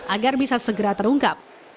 agar bisa segera terungkap